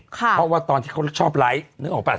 เพราะว่าตอนที่เขาชอบไลฟ์นึกออกป่